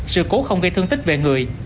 sự cố không gây thương tích về người